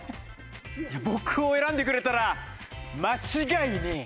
僕を選んでくれたら間違いねえ。